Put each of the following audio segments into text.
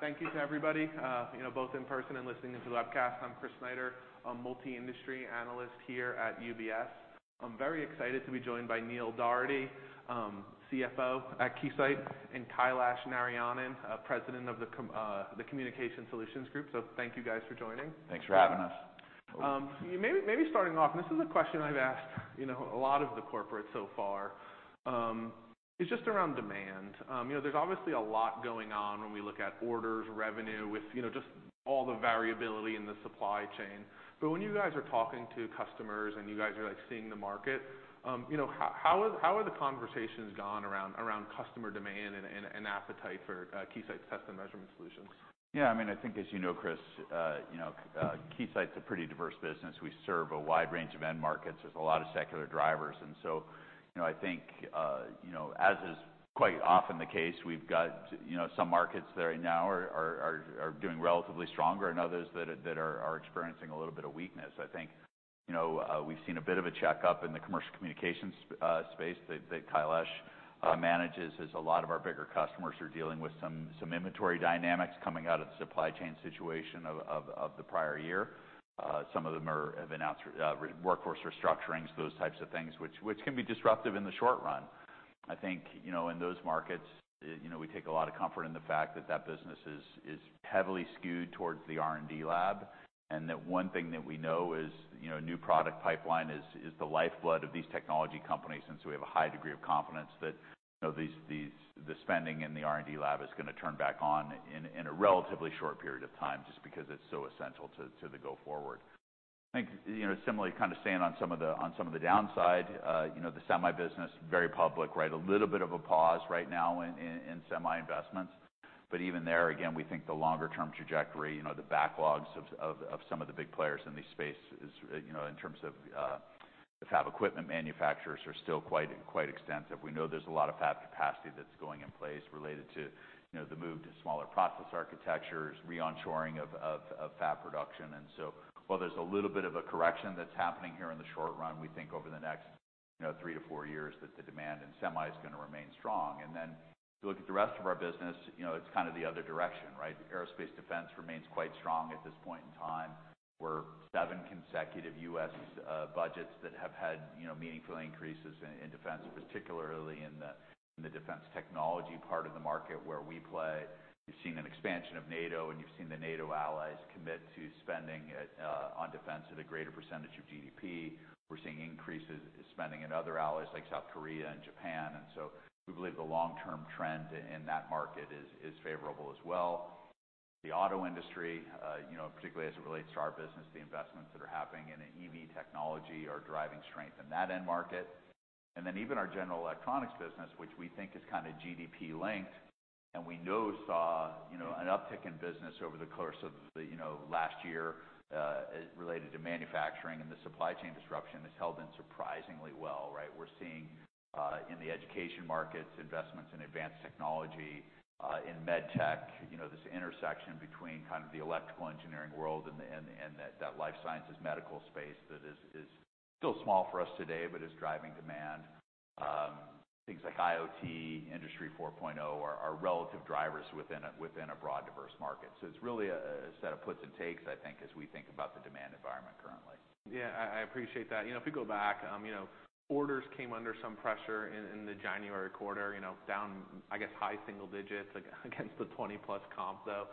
Thank you to everybody, you know, both in person and listening to the webcast. I'm Chris Snyder, a multi-industry analyst here at UBS. I'm very excited to be joined by Neil Dougherty, CFO at Keysight, and Kailash Narayanan, President of the Communications Solutions Group. Thank you guys for joining. Thanks for having us. Maybe starting off, this is a question I've asked, you know, a lot of the corporates so far, it's just around demand. You know, there's obviously a lot going on when we look at orders, revenue, with, you know, just all the variability in the supply chain. When you guys are talking to customers and you guys are, like, seeing the market, you know, how are the conversations gone around customer demand and appetite for Keysight's test and measurement solutions? Yeah, I mean, I think as you know, Chris, you know, Keysight's a pretty diverse business. We serve a wide range of end markets. There's a lot of secular drivers, and so, you know, I think, you know, as is quite often the case, we've got, you know, some markets that right now are doing relatively stronger, and others that are experiencing a little bit of weakness. I think, you know, we've seen a bit of a checkup in the commercial communications space that Kailash manages, as a lot of our bigger customers are dealing with some inventory dynamics coming out of the supply chain situation of the prior year. Some of them have announced workforce restructurings, those types of things, which can be disruptive in the short run. I think, you know, in those markets, you know, we take a lot of comfort in the fact that that business is heavily skewed towards the R&D lab, and that one thing that we know is, you know, new product pipeline is the lifeblood of these technology companies. We have a high degree of confidence that, you know, the spending in the R&D lab is gonna turn back on in a relatively short period of time, just because it's so essential to the go forward. I think, you know, similarly, kind of staying on some of the downside, you know, the semi business, very public, right? A little bit of a pause right now in semi investments, but even there, again, we think the longer term trajectory, you know, the backlogs of some of the big players in this space is, you know, in terms of the fab equipment manufacturers are still quite extensive. We know there's a lot of fab capacity that's going in place related to, you know, the move to smaller process architectures, re-onshoring of fab production. While there's a little bit of a correction that's happening here in the short run, we think over the next, you know, three to four years, that the demand in semi is gonna remain strong. Then you look at the rest of our business, you know, it's kind of the other direction, right? Aerospace defense remains quite strong at this point in time, where seven consecutive U.S. budgets that have had, you know, meaningful increases in defense, particularly in the, in the defense technology part of the market where we play. You've seen an expansion of NATO, you've seen the NATO allies commit to spending on defense at a greater percentage of GDP. We're seeing increases in spending in other allies like South Korea and Japan. We believe the long-term trend in that market is favorable as well. The auto industry, you know, particularly as it relates to our business, the investments that are happening in the EV technology are driving strength in that end market. Even our general electronics business, which we think is kind of GDP-linked, and we know saw, you know, an uptick in business over the course of the, you know, last year, related to manufacturing and the supply chain disruption, has held in surprisingly well, right? We're seeing in the education markets, investments in advanced technology, in medtech, you know, this intersection between kind of the electrical engineering world and that life sciences medical space that is still small for us today, but is driving demand. Things like IoT, Industry 4.0, are relative drivers within a broad, diverse market. It's really a set of puts and takes, I think, as we think about the demand environment currently. Yeah, I appreciate that. You know, if we go back, you know, orders came under some pressure in the January quarter, you know, down, I guess, high single digits, like, against the 20+ comp though.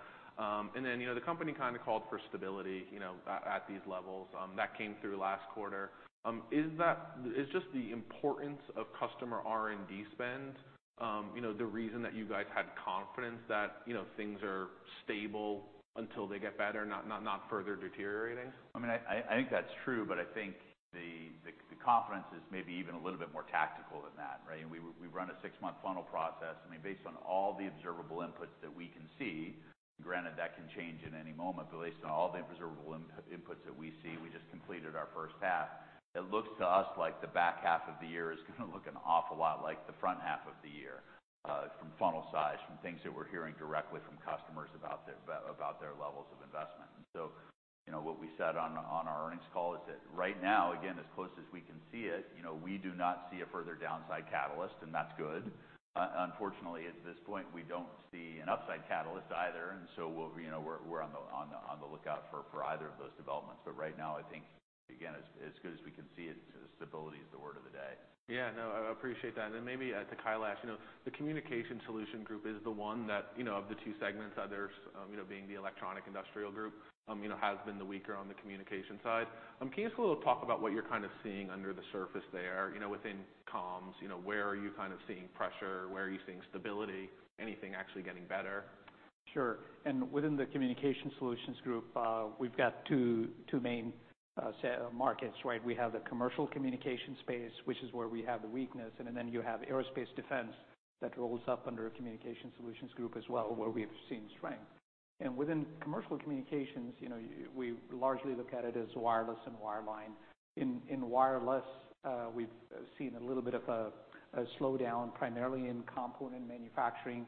You know, the company kind of called for stability, you know, at these levels. That came through last quarter. Is just the importance of customer R&D spend, you know, the reason that you guys had confidence that, you know, things are stable until they get better, not further deteriorating? I mean, I think that's true, but I think the confidence is maybe even a little bit more tactical than that, right? We run a six-month funnel process, I mean, based on all the observable inputs that we can see, granted, that can change at any moment, but based on all the observable inputs that we see, we just completed our first half. It looks to us like the back half of the year is gonna look an awful lot like the front half of the year, from funnel size, from things that we're hearing directly from customers about their levels of investment. You know, what we said on our earnings call is that right now, again, as close as we can see it, you know, we do not see a further downside catalyst, and that's good. Unfortunately, at this point, we don't see an upside catalyst either, and so we'll, you know, we're on the lookout for either of those developments. Right now, I think, again, as good as we can see, it's stability is the word of the day. Yeah, no, I appreciate that. Maybe to Kailash. You know, the Communications Solutions Group is the one that, you know, of the two segments, others, you know, being the Electronic Industrial Solutions Group, you know, has been the weaker on the communication side. Can you just a little talk about what you're kind of seeing under the surface there, you know, within comms? You know, where are you kind of seeing pressure? Where are you seeing stability? Anything actually getting better? Sure. Within the Communications Solutions Group, we've got two main markets, right? We have the commercial communications space, which is where we have a weakness, and then you have aerospace defense that rolls up under our Communications Solutions Group as well, where we've seen strength. Within commercial communications, you know, we largely look at it as wireless and wireline. In wireless, we've seen a little bit of a slowdown, primarily in component manufacturing,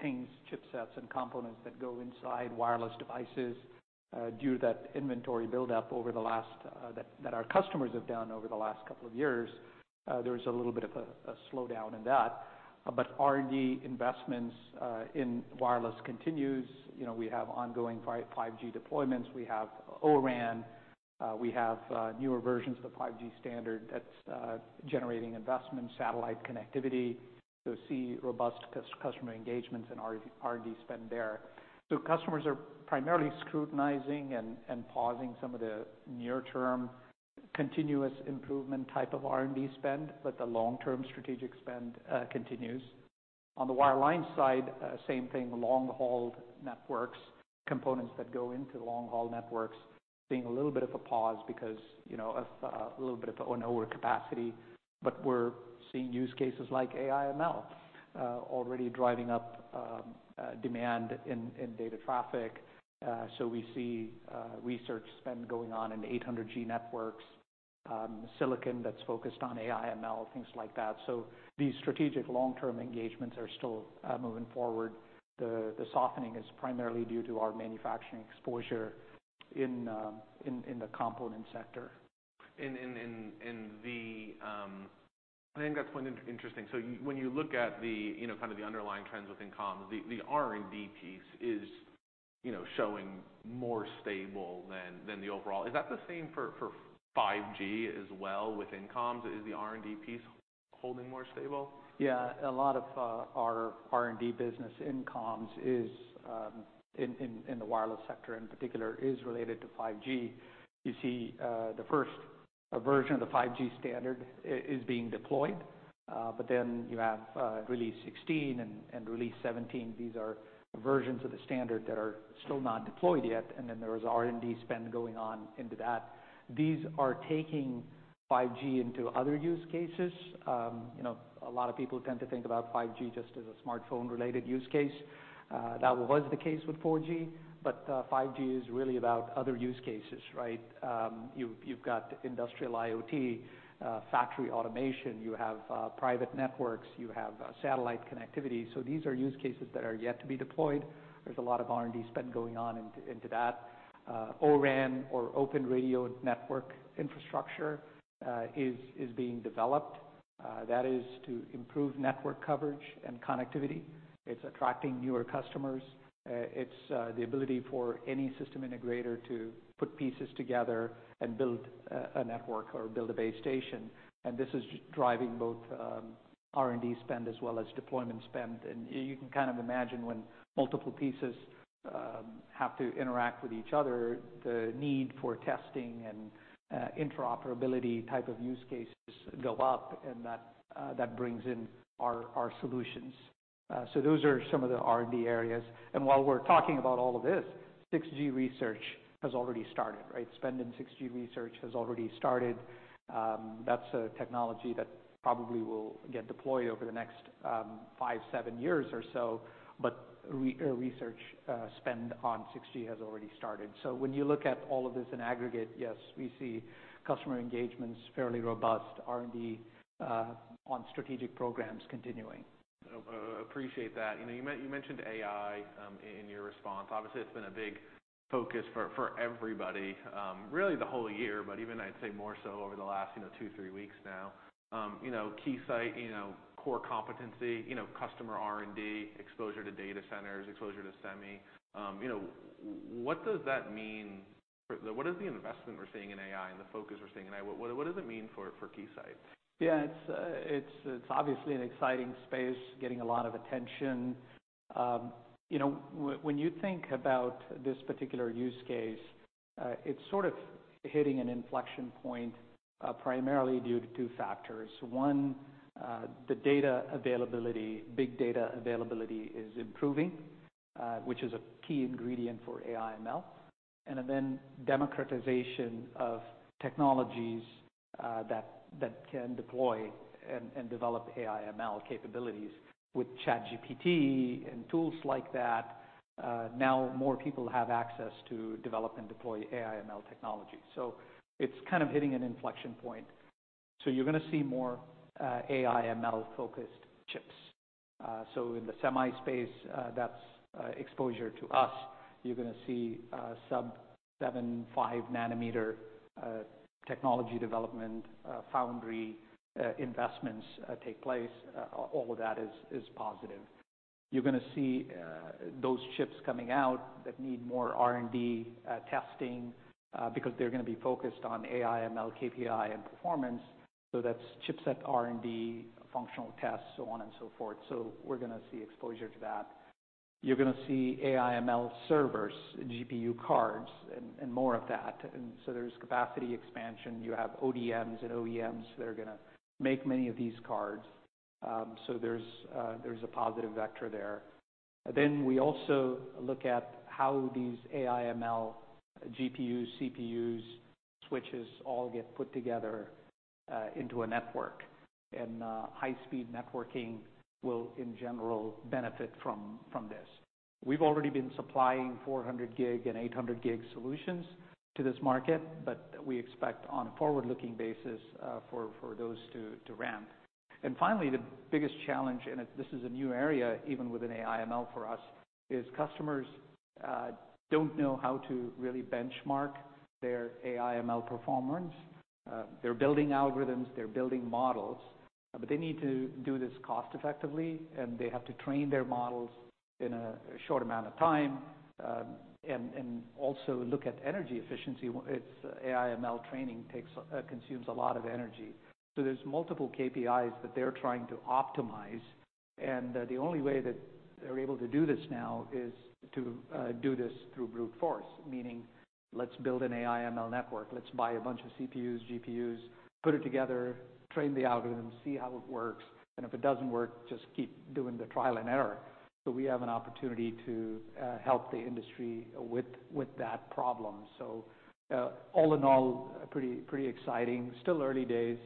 things, chipsets and components that go inside wireless devices, due to that inventory buildup over the last, that our customers have done over the last couple of years, there was a little bit of a slowdown in that. R&D investments in wireless continues. You know, we have ongoing 5G deployments, we have ORAN, we have newer versions of the 5G standard that's generating investment, satellite connectivity. see robust customer engagements and R&D spend there. Customers are primarily scrutinizing and pausing some of the near-term continuous improvement type of R&D spend, but the long-term strategic spend continues. On the wireline side, same thing. Long-haul networks, components that go into the long-haul networks, seeing a little bit of a pause because, you know, of a little bit of overcapacity. we're seeing use cases like AIML already driving up demand in data traffic. we see research spend going on in 800G networks, silicon that's focused on AIML, things like that. These strategic long-term engagements are still moving forward. The softening is primarily due to our manufacturing exposure in the component sector. In the, I think that's quite interesting. When you look at the, you know, kind of the underlying trends within comms, the R&D piece is, you know, showing more stable than the overall. Is that the same for 5G as well with comms? Is the R&D piece holding more stable? A lot of our R&D business in comms is in the wireless sector in particular, is related to 5G. You see the first version of the 5G standard is being deployed. You have Release 16 and Release 17. These are versions of the standard that are still not deployed yet. There is R&D spend going on into that. These are taking 5G into other use cases. You know, a lot of people tend to think about 5G just as a smartphone-related use case. That was the case with 4G. 5G is really about other use cases, right? You've got industrial IoT, factory automation, you have private networks, you have satellite connectivity. These are use cases that are yet to be deployed. There's a lot of R&D spend going on into that. ORAN or Open Radio Access Network is being developed. That is to improve network coverage and connectivity. It's attracting newer customers. It's the ability for any system integrator to put pieces together and build a network or build a base station. This is driving both R&D spend as well as deployment spend. You can kind of imagine when multiple pieces have to interact with each other, the need for testing and interoperability type of use cases go up, and that brings in our solutions. Those are some of the R&D areas. While we're talking about all of this, 6G research has already started, right? Spend in 6G research has already started. That's a technology that probably will get deployed over the next five, seven years or so, but research spend on 6G has already started. When you look at all of this in aggregate, yes, we see customer engagements, fairly robust R&D on strategic programs continuing. Appreciate that. You know, you mentioned AI in your response. Obviously, it's been a big focus for everybody, really the whole year, but even I'd say more so over the last, you know, two, three weeks now. You know, Keysight, you know, core competency, you know, customer R&D, exposure to data centers, exposure to semi. You know, what is the investment we're seeing in AI and the focus we're seeing in AI? What does it mean for Keysight? Yeah, it's obviously an exciting space, getting a lot of attention. You know, when you think about this particular use case, it's sort of hitting an inflection point, primarily due to two factors. One, the data availability, big data availability is improving, which is a key ingredient for AIML, democratization of technologies that can deploy and develop AIML capabilities. With ChatGPT and tools like that, now more people have access to develop and deploy AIML technology, it's kind of hitting an inflection point. You're gonna see more AIML-focused chips. In the semi space, that's exposure to us. You're gonna see sub 7, 5 nanometer technology development, foundry investments take place. All of that is positive. You're gonna see those chips coming out that need more R&D testing because they're gonna be focused on AIML, KPI, and performance. That's chipset R&D, functional tests, so on and so forth. We're gonna see exposure to that. You're gonna see AIML servers, GPU cards, and more of that. There's capacity expansion. You have ODMs and OEMs that are gonna make many of these cards. There's a positive vector there. We also look at how these AIML, GPUs, CPUs, switches all get put together into a network. High-speed networking will, in general, benefit from this. We've already been supplying 400G and 800G solutions to this market, but we expect on a forward-looking basis for those to ramp. Finally, the biggest challenge, and this is a new area, even within AIML for us, is customers don't know how to really benchmark their AIML performance. They're building algorithms, they're building models, but they need to do this cost effectively, and they have to train their models in a short amount of time, and also look at energy efficiency. AIML training takes consumes a lot of energy. There's multiple KPIs that they're trying to optimize, and the only way that they're able to do this now is to do this through brute force, meaning let's build an AIML network. Let's buy a bunch of CPUs, GPUs, put it together, train the algorithm, see how it works, and if it doesn't work, just keep doing the trial and error. We have an opportunity to help the industry with that problem. All in all, pretty exciting. Still early days,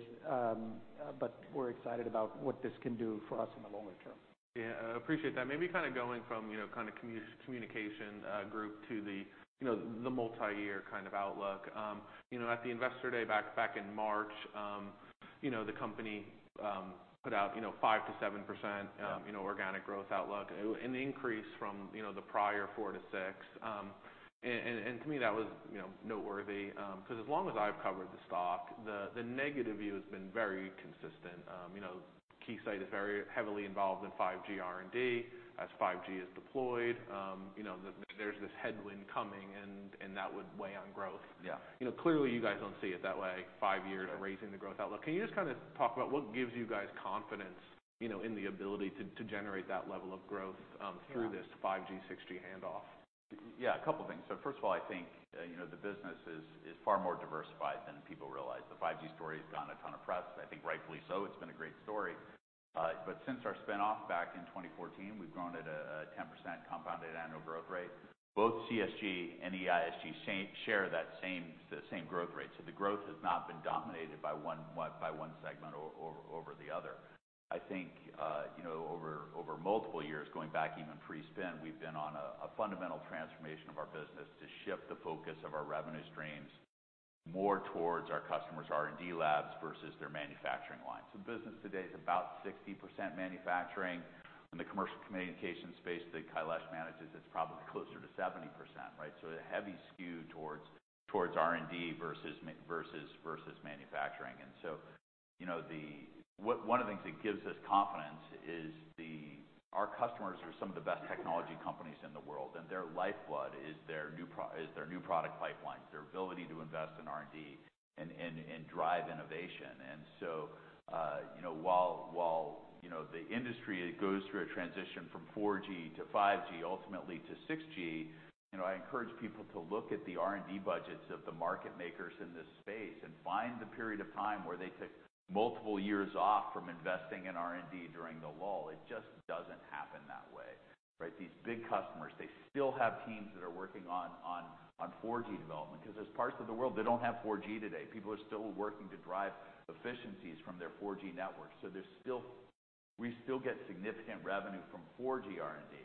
but we're excited about what this can do for us in the longer term. Yeah, I appreciate that. Maybe kind of going from, you know, kind of communication group to the, you know, the multiyear kind of outlook. You know, at the Investor Day, back in March, you know, the company put out, you know, 5%-7% you know, organic growth outlook, and an increase from, you know, the prior 4%-6%. To me, that was, you know, noteworthy. 'cause as long as I've covered the stock, the negative view has been very consistent. You know, Keysight is very heavily involved in 5G R&D. As 5G is deployed, you know, there's this headwind coming, and that would weigh on growth. Yeah. You know, clearly, you guys don't see it that way, five years of raising the growth outlook. Can you just kind of talk about what gives you guys confidence, you know, in the ability to generate that level of growth through this 5G, 6G handoff? A couple things. First of all, I think, you know, the business is far more diversified than people realize. The 5G story has gotten a ton of press, I think rightfully so. It's been a great story. Since our spin-off back in 2014, we've grown at a 10% compounded annual growth rate. Both CSG and EISG share that same growth rate. The growth has not been dominated by one segment over the other. I think, you know, over multiple years, going back even pre-spin, we've been on a fundamental transformation of our business to shift the focus of our revenue streams more towards our customers' R&D labs versus their manufacturing lines. The business today is about 60% manufacturing. In the commercial communications space that Kailash manages, it's probably closer to 70%, right? A heavy skew towards R&D versus manufacturing. You know, one of the things that gives us confidence is our customers are some of the best technology companies in the world, and their lifeblood is their new product pipeline, their ability to invest in R&D and drive innovation. You know, while, you know, the industry goes through a transition from 4G to 5G, ultimately to 6G, you know, I encourage people to look at the R&D budgets of the market makers in this space and find the period of time where they took multiple years off from investing in R&D during the lull. It just doesn't happen that way, right? These big customers, they still have teams that are working on 4G development. There's parts of the world that don't have 4G today. People are still working to drive efficiencies from their 4G networks. We still get significant revenue from 4G R&D.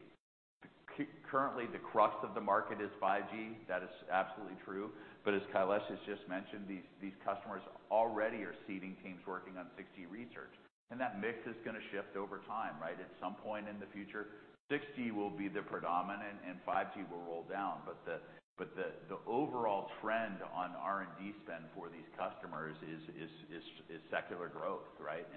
Currently, the crux of the market is 5G. That is absolutely true. As Kailash has just mentioned, these customers already are seeding teams working on 6G research, and that mix is gonna shift over time, right? At some point in the future, 6G will be the predominant, and 5G will roll down. The overall trend on R&D spend for these customers is secular growth, right?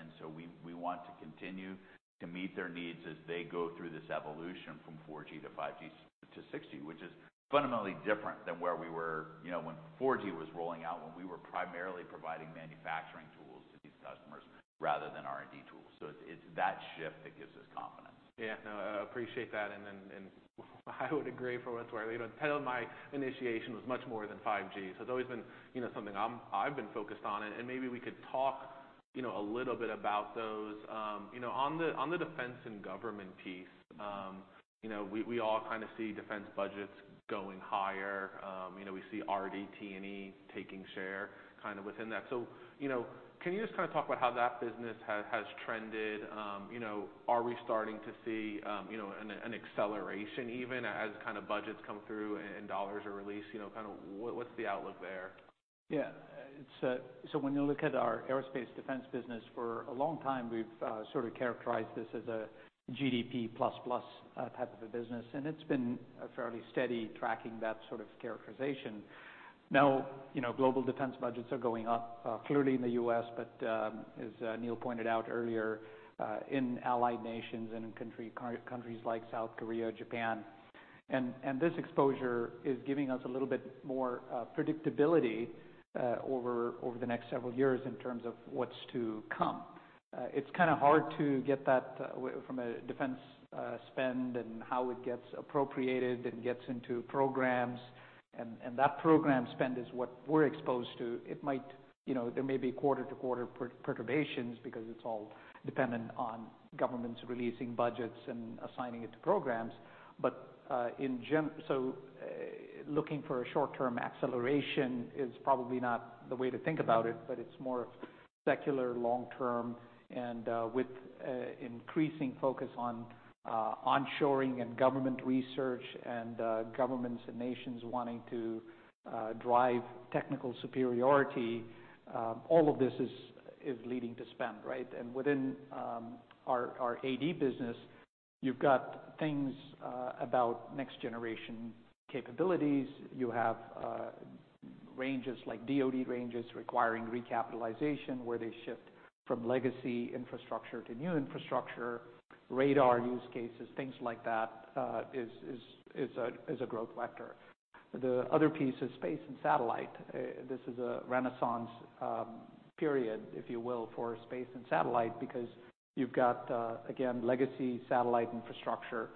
We want to continue to meet their needs as they go through this evolution from 4G to 5G to 6G, which is fundamentally different than where we were, you know, when 4G was rolling out, when we were primarily providing manufacturing tools to these customers rather than R&D tools. It's that shift that gives us confidence. Yeah, no, I appreciate that. I would agree from where I was, you know, my initiation was much more than 5G. It's always been, you know, something I've been focused on, and maybe we could talk, you know, a little bit about those. You know, on the defense and government piece, you know, we all kind of see defense budgets going higher. You know, we see RDT&E taking share kind of within that. Can you just kind of talk about how that business has trended? You know, are we starting to see, you know, an acceleration even as kind of budgets come through and dollars are released, you know, kind of what's the outlook there? Yeah. It's when you look at our Aerospace Defense business, for a long time, we've sort of characterized this as a GDP plus type of a business. It's been a fairly steady tracking, that sort of characterization. You know, global Defense budgets are going up, clearly in the U.S., as Neil pointed out earlier, in allied nations and in countries like South Korea, Japan. This exposure is giving us a little bit more predictability over the next several years in terms of what's to come. It's kind of hard to get that from a Defense spend and how it gets appropriated and gets into programs, and that program spend is what we're exposed to. It might... You know, there may be quarter-to-quarter perturbations, because it's all dependent on governments releasing budgets and assigning it to programs. Looking for a short-term acceleration is probably not the way to think about it, but it's more of secular, long term, and with increasing focus on onshoring and government research and governments and nations wanting to drive technical superiority. All of this is leading to spend, right? Within our AD business. You've got things about next generation capabilities. You have ranges like DoD ranges requiring recapitalization, where they shift from legacy infrastructure to new infrastructure, radar use cases, things like that, is a growth vector. The other piece is space and satellite. This is a renaissance period, if you will, for space and satellite, because you've got again, legacy satellite infrastructure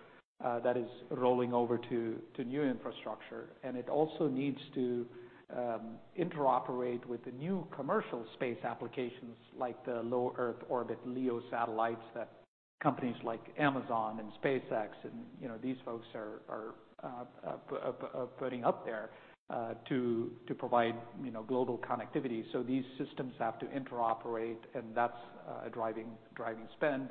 that is rolling over to new infrastructure. It also needs to interoperate with the new commercial space applications, like the low Earth orbit, LEO satellites, that companies like Amazon and SpaceX and, you know, these folks are putting up there to provide, you know, global connectivity. These systems have to interoperate, and that's driving spend.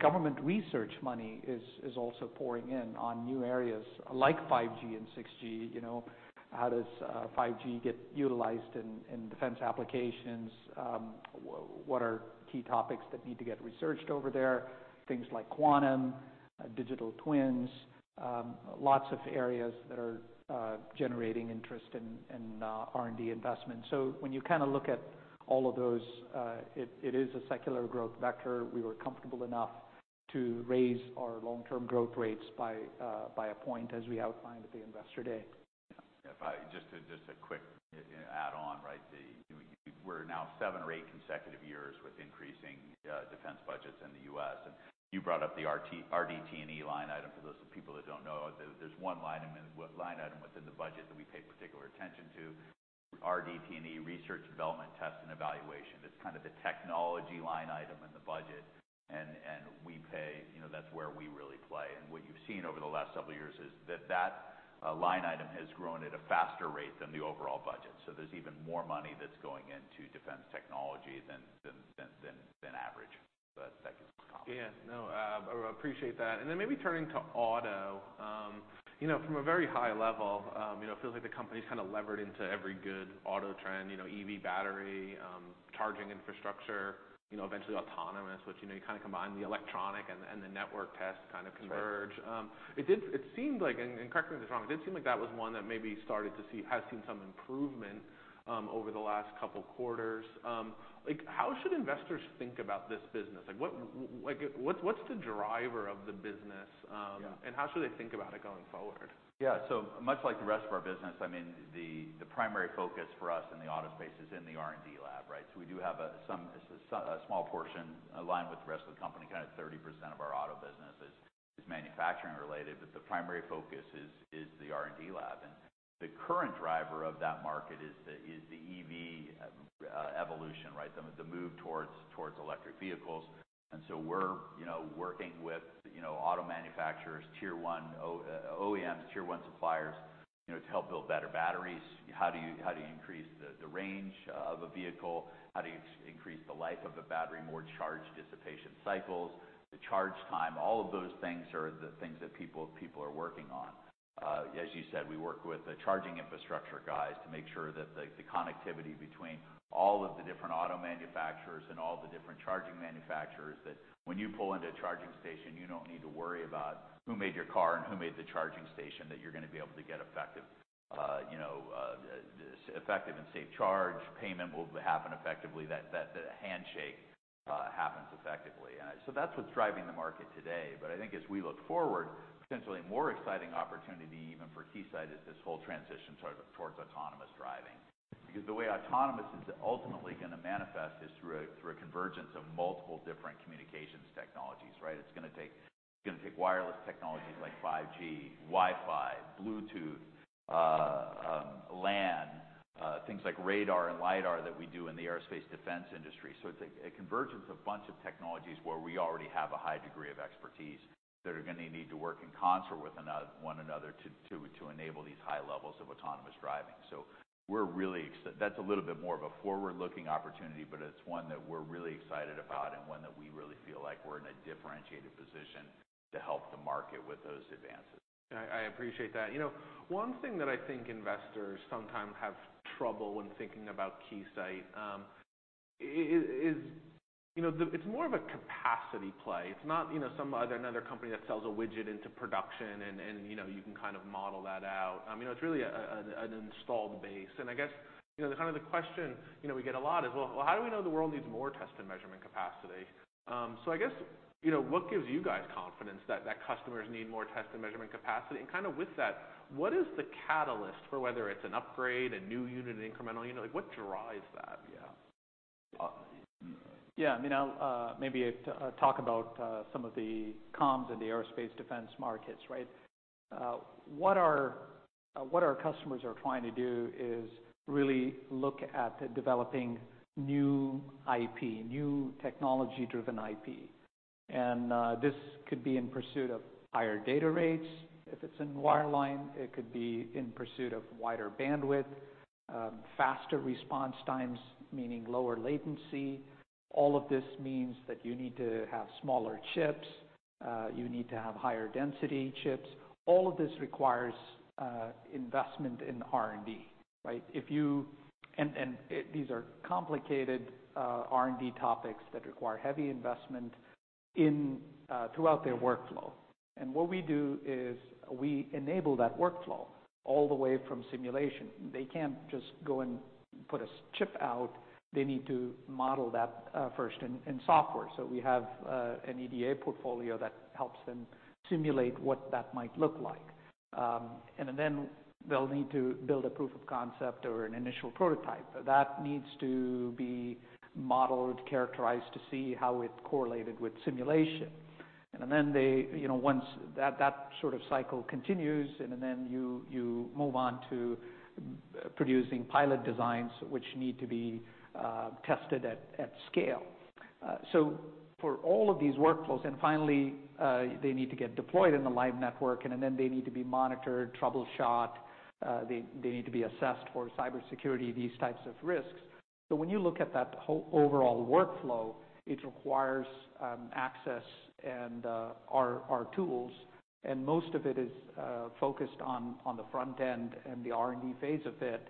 Government research money is also pouring in on new areas like 5G and 6G. You know, how does 5G get utilized in defense applications? What are key topics that need to get researched over there? Things like quantum, digital twins, lots of areas that are generating interest in R&D investment. When you kind of look at all of those, it is a secular growth vector. We were comfortable enough to raise our long-term growth rates by a point, as we outlined at the Investor Day. Yeah. Just a quick add-on, right? We're now seven or eight consecutive years with increasing defense budgets in the U.S. You brought up the RDT&E line item. For those people that don't know, there's one line item within the budget that we pay particular attention to, RDT&E, research development, test, and evaluation. That's kind of the technology line item in the budget, and we pay. You know, that's where we really play. What you've seen over the last several years is that line item has grown at a faster rate than the overall budget. There's even more money that's going into defense technology than average. That gives us confidence. No, I appreciate that. Maybe turning to auto, you know, from a very high level, you know, it feels like the company's kind of levered into every good auto trend, you know, EV battery, charging infrastructure, you know, eventually autonomous, which, you know, you kind of combine the electronic and the network tests kind of converge. It did, it seemed like, correct me if it's wrong, it did seem like that was one that maybe has seen some improvement over the last couple quarters. How should investors think about this business? What's the driver of the business? Yeah How should they think about it going forward? Yeah. much like the rest of our business, I mean, the primary focus for us in the auto space is in the R&D lab, right? we do have a small portion aligned with the rest of the company. Kind of 30% of our auto business is manufacturing related, but the primary focus is the R&D lab. the current driver of that market is the EV evolution, right? The move towards electric vehicles. we're, you know, working with, you know, auto manufacturers, Tier one OEMs, Tier one suppliers, you know, to help build better batteries. How do you increase the range of a vehicle? How do you increase the life of a battery, more charge dissipation cycles, the charge time? All of those things are the things that people are working on. As you said, we work with the charging infrastructure guys to make sure that the connectivity between all of the different auto manufacturers and all the different charging manufacturers, that when you pull into a charging station, you don't need to worry about who made your car and who made the charging station, that you're gonna be able to get effective, you know, effective and safe charge. Payment will happen effectively, that the handshake happens effectively. That's what's driving the market today. But I think as we look forward, potentially a more exciting opportunity even for Keysight, is this whole transition towards autonomous driving. Because the way autonomous is ultimately gonna manifest is through a convergence of multiple different communications technologies, right? It's gonna take wireless technologies like 5G, Wi-Fi, Bluetooth, LAN, things like radar and lidar that we do in the aerospace defense industry. It's a convergence of bunch of technologies where we already have a high degree of expertise, that are gonna need to work in concert with one another, to enable these high levels of autonomous driving. That's a little bit more of a forward-looking opportunity, but it's one that we're really excited about and one that we really feel like we're in a differentiated position to help the market with those advances. I appreciate that. You know, one thing that I think investors sometimes have trouble when thinking about Keysight, is, you know, it's more of a capacity play. It's not, you know, some other, another company that sells a widget into production and, you know, you can kind of model that out. I mean, it's really an installed base. I guess, you know, kind of the question, you know, we get a lot is, "Well, how do we know the world needs more test and measurement capacity?" I guess, you know, what gives you guys confidence that customers need more test and measurement capacity? And kind of with that, what is the catalyst for whether it's an upgrade, a new unit, an incremental unit? Like, what drives that? Yeah. Yeah, I mean, I'll maybe talk about some of the comms in the Aerospace Defense markets, right? What our customers are trying to do is really look at developing new IP, new technology-driven IP. This could be in pursuit of higher data rates. If it's in wireline, it could be in pursuit of wider bandwidth, faster response times, meaning lower latency. All of this means that you need to have smaller chips, you need to have higher density chips. All of this requires investment in R&D, right? These are complicated R&D topics that require heavy investment in throughout their workflow. What we do is we enable that workflow all the way from simulation. They can't just go and put a chip out, they need to model that, first in software. We have an EDA portfolio that helps them simulate what that might look like. Then they'll need to build a proof of concept or an initial prototype. That needs to be modeled, characterized to see how it correlated with simulation. Then they, you know, once that sort of cycle continues, and then you move on to producing pilot designs, which need to be tested at scale. For all of these workflows, and finally, they need to get deployed in the live network, and then they need to be monitored, troubleshot, they need to be assessed for cybersecurity, these types of risks. When you look at that whole overall workflow, it requires access and our tools, and most of it is focused on the front end and the R&D phase of it.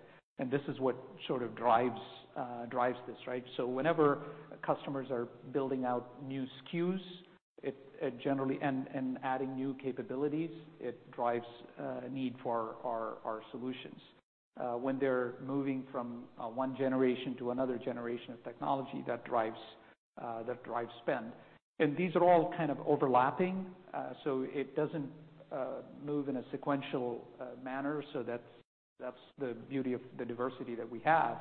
This is what sort of drives this, right? Whenever customers are building out new SKUs, it generally and adding new capabilities, it drives need for our solutions. When they're moving from one generation to another generation of technology, that drives that drives spend. These are all kind of overlapping, so it doesn't move in a sequential manner. That's the beauty of the diversity that we have.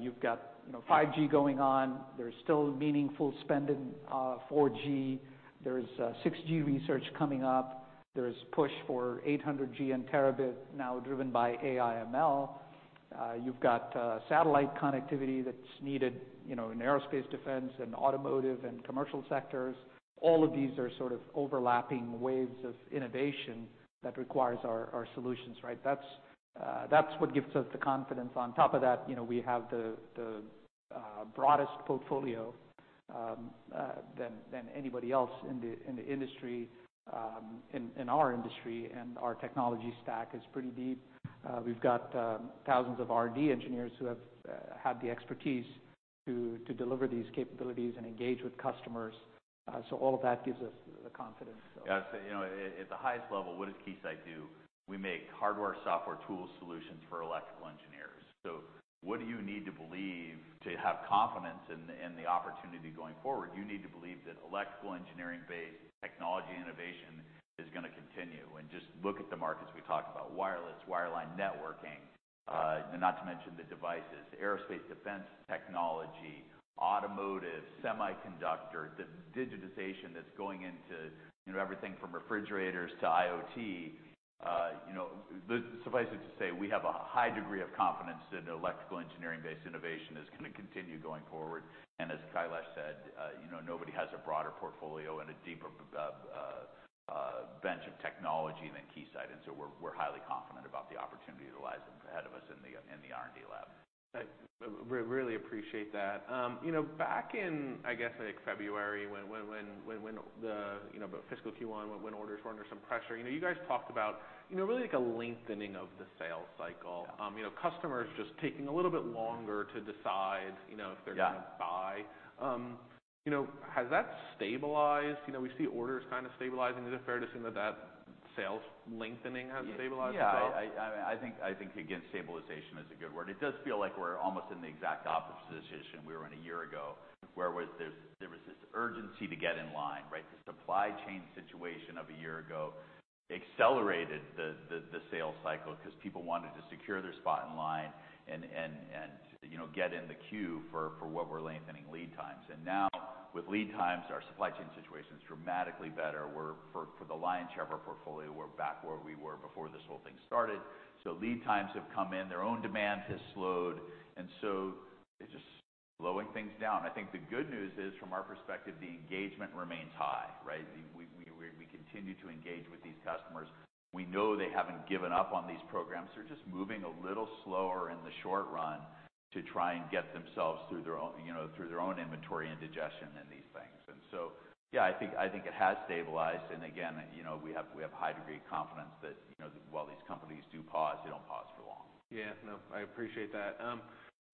You've got, you know, 5G going on. There's still meaningful spend in 4G. There's 6G research coming up. There's push for 800G and terabit, now driven by AIML. You've got satellite connectivity that's needed, you know, in aerospace, defense, and automotive, and commercial sectors. All of these are sort of overlapping waves of innovation that requires our solutions, right? That's what gives us the confidence. On top of that, you know, we have the broadest portfolio than anybody else in the industry, in our industry, and our technology stack is pretty deep. We've got thousands of R&D engineers who have the expertise to deliver these capabilities and engage with customers. All of that gives us the confidence. Yeah, you know, at the highest level, what does Keysight do? We make hardware, software, tools, solutions for electrical engineers. What do you need to believe to have confidence in the opportunity going forward? You need to believe that electrical engineering-based technology innovation is gonna continue. Just look at the markets we talked about, wireless, wireline, networking, and not to mention the devices, aerospace, defense, technology, automotive, semiconductor, the digitization that's going into, you know, everything from refrigerators to IoT. You know, suffice it to say, we have a high degree of confidence that electrical engineering-based innovation is gonna continue going forward. As Kailash said, you know, nobody has a broader portfolio and a deeper bench of technology than Keysight, and so we're highly confident about the opportunity that lies ahead of us in the R&D lab. I really appreciate that. you know, back in, I guess, like February, when the, you know, the fiscal Q1, when orders were under some pressure, you know, you guys talked about, you know, really like a lengthening of the sales cycle. Yeah. You know, customers just taking a little bit longer to decide, you know. Yeah. if they're gonna buy. You know, has that stabilized? You know, we see orders kind of stabilizing. Is it fair to assume that that sales lengthening has stabilized as well? Yeah, I think, again, stabilization is a good word. It does feel like we're almost in the exact opposite position we were in a year ago, where there was this urgency to get in line, right? The supply chain situation of a year ago accelerated the sales cycle because people wanted to secure their spot in line and, you know, get in the queue for what we're lengthening lead times. Now with lead times, our supply chain situation is dramatically better. For the lion's share of our portfolio, we're back where we were before this whole thing started. Lead times have come in, their own demand has slowed, and so it's just slowing things down. I think the good news is, from our perspective, the engagement remains high, right? We continue to engage with these customers. We know they haven't given up on these programs. They're just moving a little slower in the short run to try and get themselves through their own, you know, through their own inventory indigestion and these things. Yeah, I think it has stabilized. Again, you know, we have a high degree of confidence that, you know, while these companies do pause, they don't pause for long. Yeah, no, I appreciate that.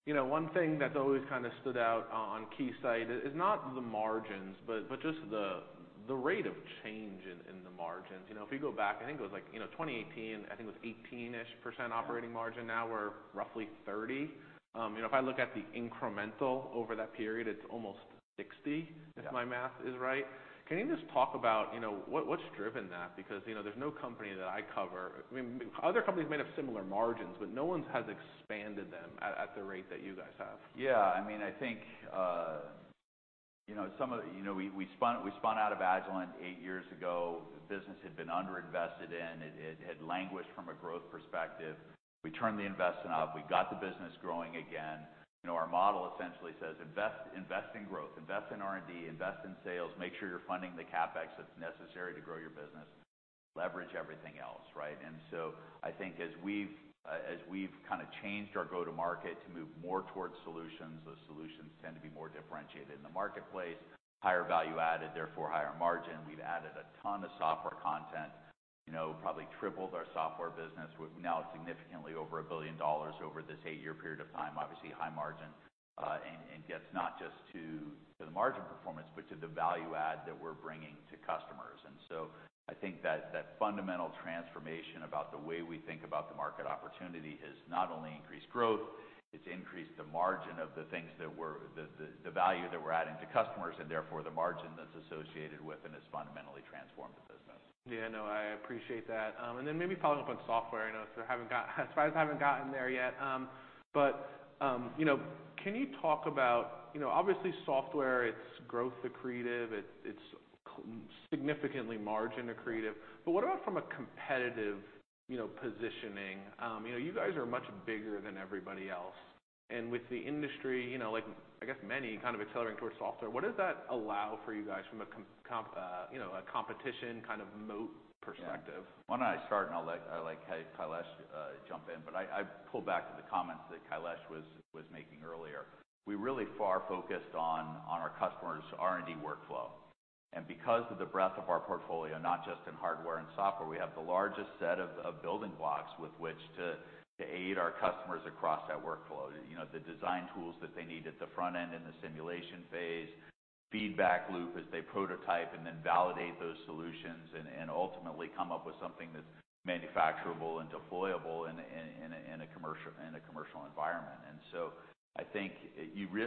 You know, one thing that's always kind of stood out on Keysight is not the margins, but just the rate of change in the margins. You know, if you go back, I think it was like, you know, 2018, I think it was 18%-ish operating margin. Yeah. Now we're roughly 30. you know, if I look at the incremental over that period, it's almost 60. Yeah. If my math is right. Can you just talk about, you know, what's driven that? You know, there's no company that I cover. I mean, other companies may have similar margins, but no one's has expanded them at the rate that you guys have. Yeah, I mean, I think, you know, we spun out of Agilent eight years ago. The business had been underinvested in, it had languished from a growth perspective. We turned the investment up, we got the business growing again. You know, our model essentially says, "Invest, invest in growth, invest in R&D, invest in sales, make sure you're funding the CapEx that's necessary to grow your business. Leverage everything else," right? I think as we've kind of changed our go-to-market to move more towards solutions, those solutions tend to be more differentiated in the marketplace, higher value added, therefore higher margin. We've added a ton of software content, you know, probably tripled our software business. We're now significantly over $1 billion over this eight-year period of time. Obviously, high margin, and gets not just to the margin performance, but to the value add that we're bringing to customers. I think that fundamental transformation about the way we think about the market opportunity has not only increased growth, it's increased the margin of the things that we're the value that we're adding to customers, and therefore the margin that's associated with, and has fundamentally transformed the business. Yeah, no, I appreciate that. Maybe following up on software, you know, I haven't gotten there yet. You know, can you talk about, you know, obviously software, it's growth accretive, it's significantly margin accretive, what about from a competitive, you know, positioning? You know, you guys are much bigger than everybody else, with the industry, you know, like, I guess many kind of accelerating towards software, what does that allow for you guys from a competition kind of moat perspective? Yeah. Why don't I start and I'll let, hey, Kailash, jump in. I pull back to the comments that Kailash was making earlier. We really far focused on our customers' R&D workflow. Because of the breadth of our portfolio, not just in hardware and software, we have the largest set of building blocks with which to aid our customers across that workflow. You know, the design tools that they need at the front end in the simulation phase, feedback loop as they prototype, and then validate those solutions and ultimately come up with something that's manufacturable and deployable in a commercial environment. I think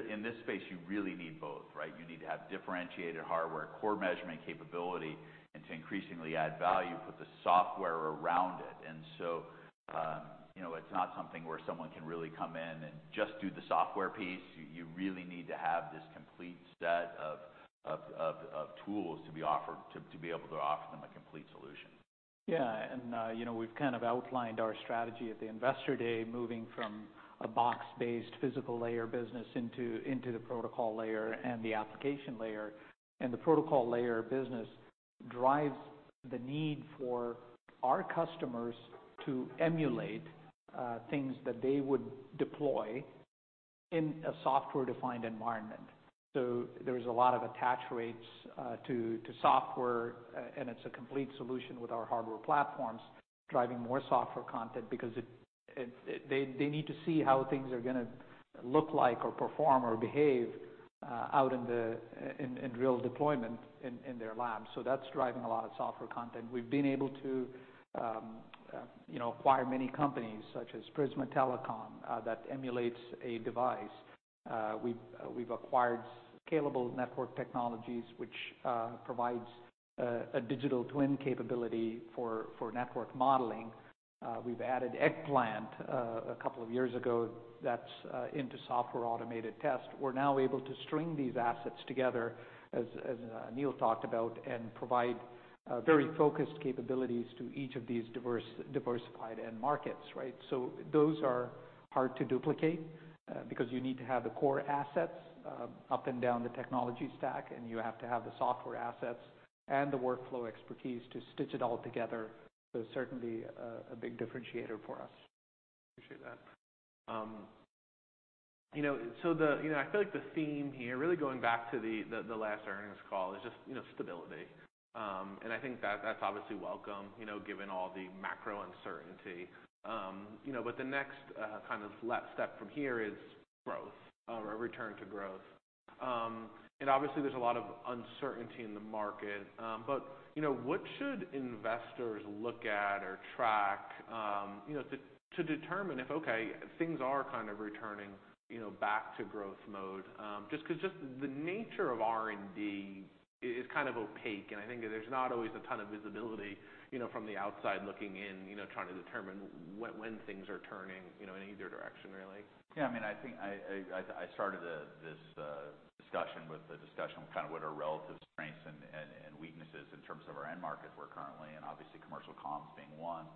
in this space, you really need both, right? You need to have differentiated hardware, core measurement capability, and to increasingly add value, put the software around it. You know, it's not something where someone can really come in and just do the software piece. You really need to have this complete set of tools to be offered, to be able to offer them a complete solution. Yeah, you know, we've kind of outlined our strategy at the Investor Day, moving from a box-based physical layer business into the protocol layer and the application layer. The protocol layer business drives the need for our customers to emulate things that they would deploy in a software-defined environment. There's a lot of attach rates to software, and it's a complete solution with our hardware platforms, driving more software content because they need to see how things are gonna look like or perform, or behave out in real deployment in their labs. That's driving a lot of software content. We've been able to, you know, acquire many companies such as Prisma Telecom, that emulates a device. We've acquired SCALABLE Network Technologies, which provides a digital twin capability for network modeling. We've added Eggplant a couple of years ago, that's into software automated test. We're now able to string these assets together, as Neil talked about, and provide very focused capabilities to each of these diversified end markets, right? Those are hard to duplicate because you need to have the core assets up and down the technology stack, and you have to have the software assets and the workflow expertise to stitch it all together. Certainly, a big differentiator for us. Appreciate that. You know, so the You know, I feel like the theme here, really going back to the last earnings call is just, you know, stability. I think that's obviously welcome, you know, given all the macro uncertainty. You know, the next, kind of last step from here is growth or a return to growth. Obviously, there's a lot of uncertainty in the market. You know, what should investors look at or track, you know, to determine if, okay, things are kind of returning, you know, back to growth mode? Just because the nature of R&D is kind of opaque, and I think there's not always a ton of visibility, you know, from the outside looking in, you know, trying to determine when things are turning, you know, in either direction, really. Yeah, I mean, I think I started this discussion with the discussion kind of what our relative strengths and weaknesses in terms of our end markets were currently, and obviously commercial comms being one.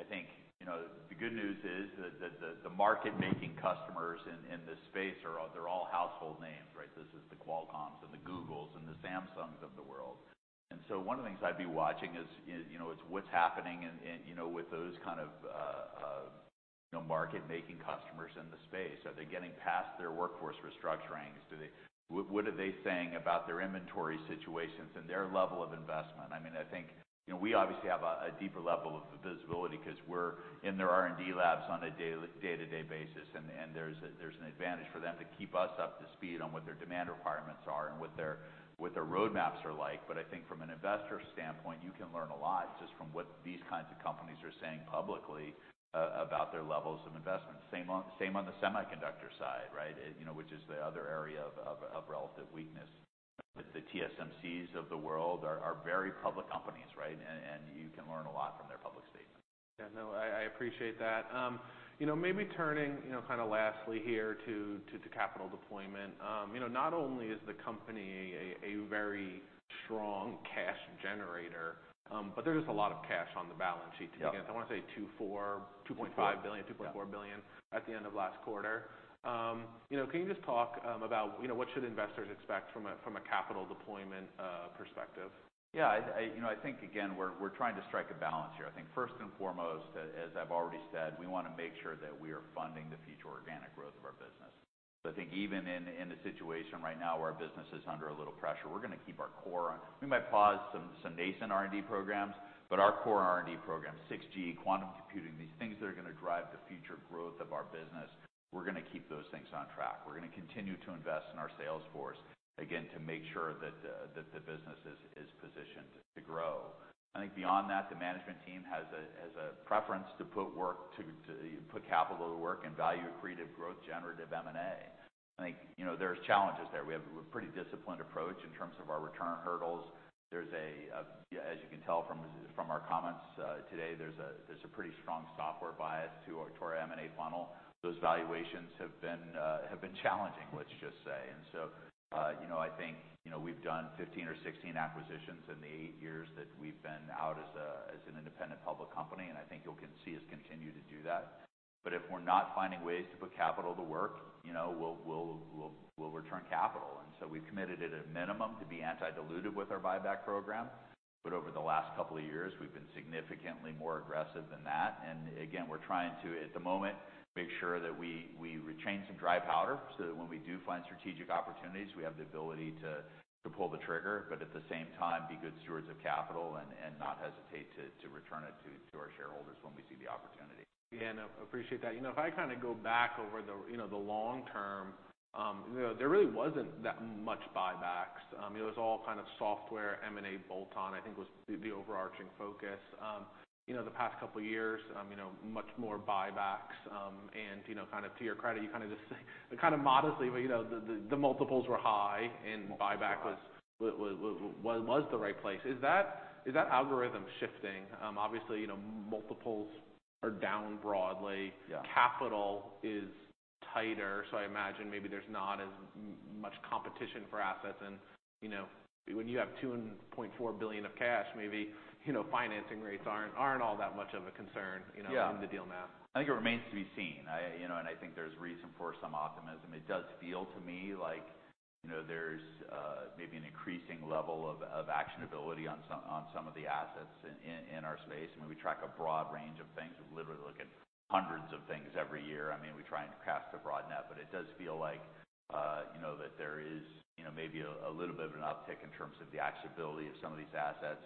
I think, you know, the good news is that the market-making customers in this space they're all household names, right? This is the Qualcomm and the Google, and the Samsung of the world. One of the things I'd be watching is, you know, it's what's happening and, you know, with those kind of, you know, market-making customers in the space. Are they getting past their workforce restructurings? What are they saying about their inventory situations and their level of investment? I mean, I think, you know, we obviously have a deeper level of visibility because we're in their R&D labs on a daily, day-to-day basis, and there's an advantage for them to keep us up to speed on what their demand requirements are and what their roadmaps are like. I think from an investor standpoint, you can learn a lot just from what these kinds of companies are saying publicly about their levels of investment. Same on the semiconductor side, right? You know, which is the other area of relative weakness. The TSMCs of the world are very public companies, right? You can learn a lot from their public statements. Yeah, no, I appreciate that. You know, maybe turning, you know, kind of lastly here to capital deployment. You know, not only is the company a very strong cash generator, but there's a lot of cash on the balance sheet, too. Yeah. I want to say $2.4 billion, $2.5 billion. 2.4. $2.4 billion. Yeah At the end of last quarter. you know, can you just talk about, you know, what should investors expect from a, from a capital deployment perspective? Yeah, I, you know, I think, again, we're trying to strike a balance here. I think first and foremost, as I've already said, we want to make sure that we are funding the future organic growth of our business. I think even in the situation right now where our business is under a little pressure, we're going to keep our core on. We might pause some nascent R&D programs, but our core R&D program, 6G quantum computing, these things that are going to drive the future growth of our business, we're going to keep those things on track. We're going to continue to invest in our sales force, again, to make sure that the business is positioned to grow. I think beyond that, the management team has a preference to put capital to work in value-accretive, growth-generative M&A. I think, you know, there's challenges there. We have a pretty disciplined approach in terms of our return hurdles. There's, as you can tell from our comments today, there's a pretty strong software bias to our M&A funnel. Those valuations have been challenging, let's just say. You know, I think, you know, we've done 15 or 16 acquisitions in the eight years that we've been out as an independent public company, and I think you'll can see us continue to do that. If we're not finding ways to put capital to work, you know, we'll return capital. We've committed at a minimum to be anti-dilutive with our buyback program. Over the last couple of years, we've been significantly more aggressive than that. Again, we're trying to, at the moment, make sure that we retain some dry powder, so that when we do find strategic opportunities, we have the ability to pull the trigger, but at the same time, be good stewards of capital and not hesitate to return it to our shareholders when we see the opportunity. Yeah, I appreciate that. You know, if I kind of go back over the, you know, the long term, you know, there really wasn't that much buybacks. It was all kind of software M&A bolt-on, I think was the overarching focus. You know, the past couple of years, you know, much more buybacks, you know, kind of to your credit, you kind of modestly, but, you know, the multiples were high, and buyback was the right place. Is that algorithm shifting? Obviously, you know, multiples are down broadly. Yeah. Capital is tighter, I imagine maybe there's not as much competition for assets. You know, when you have $2.4 billion of cash, maybe, you know, financing rates aren't all that much of a concern, you know. Yeah. in the deal now. I think it remains to be seen. I, you know, and I think there's reason for some optimism. It does feel to me like, you know, there's, maybe an increasing level of actionability on some of the assets in our space. I mean, we track a broad range of things. We literally look at hundreds of things every year. I mean, we try and cast a broad net, but it does feel like, you know, that there is, you know, maybe a little bit of an uptick in terms of the actionability of some of these assets.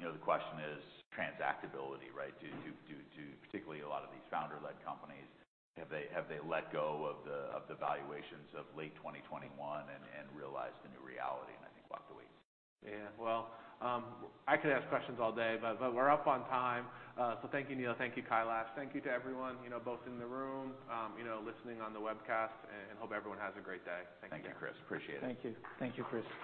You know, the question is transactability, right? Due to particularly a lot of these founder-led companies, have they let go of the valuations of late 2021 and realized the new reality? I think we'll have to wait and see. Yeah. Well, I could ask questions all day, but we're up on time. Thank you, Neil. Thank you, Kailash. Thank you to everyone, you know, both in the room, you know, listening on the webcast, and hope everyone has a great day. Thank you. Thank you, Chris. Appreciate it. Thank you. Thank you, Chris.